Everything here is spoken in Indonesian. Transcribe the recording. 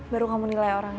baru kamu nilai orangnya